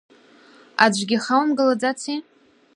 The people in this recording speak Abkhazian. Аӡәгьы хаумгалаӡаци?